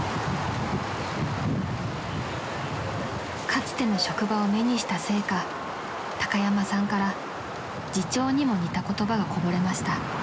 ［かつての職場を目にしたせいか高山さんから自嘲にも似た言葉がこぼれました］